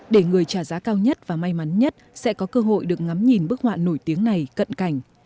để người trả giá cao nhất và may mắn nhất sẽ có cơ hội được ngắm nhìn bức họa nổi tiếng này cận cảnh